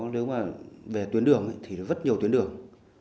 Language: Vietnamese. nếu mà về tuyến đường thì rất nhiều tuyến đường